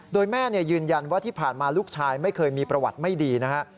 โดยแม่ยืนยันว่าที่ผ่านมาลูกชายไม่เคยมีประวัติไม่ดีนะฮะ